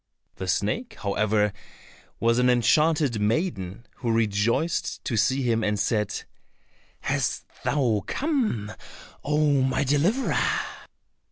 The snake, however, was an enchanted maiden, who rejoiced to see him, and said, "Hast thou come, oh, my deliverer?